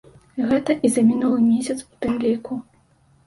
Гэта і за мінулы месяц у тым ліку.